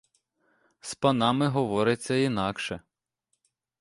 З панами говориться інакше.